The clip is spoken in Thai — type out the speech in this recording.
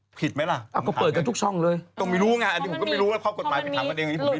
ก็ผิดอ่ะก็เปิดกันทุกช่องเลยผิดไหมล่ะ